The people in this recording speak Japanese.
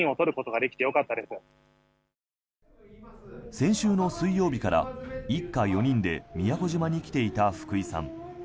先週の水曜日から一家４人で宮古島に来ていた福井さん。